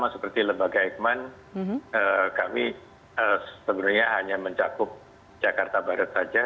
seperti lembaga eijkman kami sebenarnya hanya mencakup jakarta barat saja